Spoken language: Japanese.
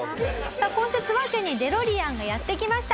さあこうしてツワ家にデロリアンがやって来ました。